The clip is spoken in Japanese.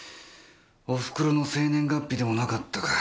お袋の生年月日でもなかったか。